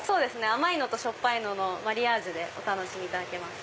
甘いのとしょっぱいののマリアージュでお楽しみいただけます。